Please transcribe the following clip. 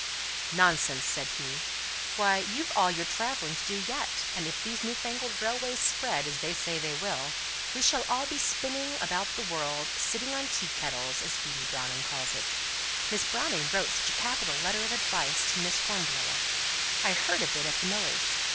"Nonsense!" said he. "Why, you've all your travelling to do yet; and if these new fangled railways spread, as they say they will, we shall all be spinning about the world; 'sitting on tea kettles,' as Phoebe Browning calls it. Miss Browning wrote such a capital letter of advice to Miss Hornblower. I heard of it at the Millers'.